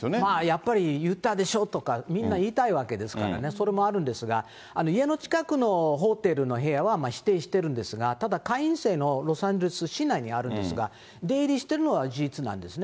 やっぱり言ったでしょとか、みんな言いたいわけですからね、それもあるんですが、家の近くのホテルの部屋は否定してるんですが、ただ、会員制のロサンゼルス市内にあるんですが、出入りしているのは事実なんですね。